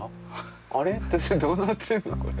あれっどうなってんのこれ。